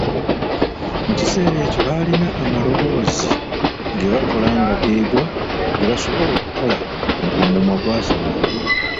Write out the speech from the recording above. Mu kiseera ekyo balina amaloboozi ge bakola nga g’ego ge basobola okukola ng’omumwa gwasamye.